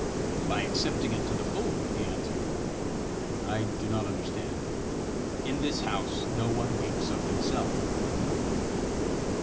"By accepting it to the full," he answered. "I do not understand." "In this house no one wakes of himself."